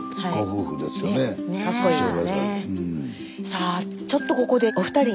さあちょっとここでお二人に。